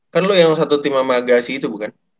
kan lu yang satu tim hamagasi itu bukan